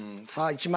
１枚。